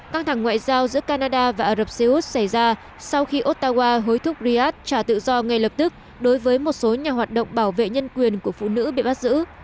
căng thẳng ngoại giao giữa canada và ả rập xê út xảy ra sau khi ottawa hối thúc riyad trả tự do ngay lập tức đối với một số nhà hoạt động bảo vệ nhân quyền của phụ nữ bị bắt giữ